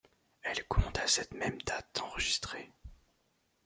Elle compte à cette même date enregistrés.